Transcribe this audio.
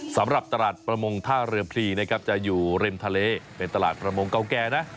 สำหรับตลาดประมงท่าเรือพรีนะครับจะอยู่ริมทะเลเป็นตลาดประมงเก่าแก่นะ